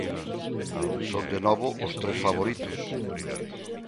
Son de novo os tres favoritos.